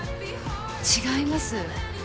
違います。